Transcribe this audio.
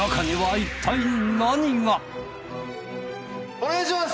お願いします！